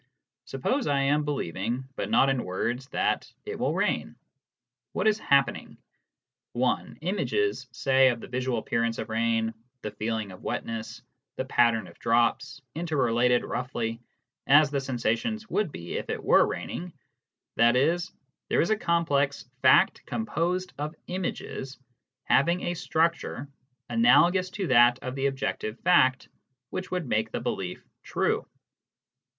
Suppose I am believing, but not in words, that " it will rain." What is happening ? (1) Images, say, of the visual appearance of rain, the feeling of wetness, the patter of drops, interrelated, roughly, as the sensations would be if it were raining, i.e., there is a complex fact composed of images, having a structure analogous to that of the objective fact which would make the belief true.